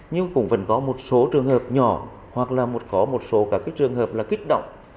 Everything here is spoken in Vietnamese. nhưng cũng vẫn có một số trường hợp nhỏ hoặc là có một số các trường hợp là kích động